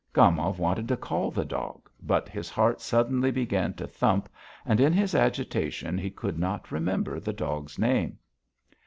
Gomov wanted to call the dog, but his heart suddenly began to thump and in his agitation he could not remember the dog's name.